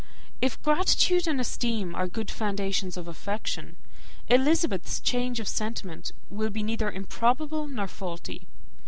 If gratitude and esteem are good foundations of affection, Elizabeth's change of sentiment will be neither improbable nor faulty.